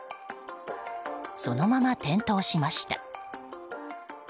そのまま転倒しました。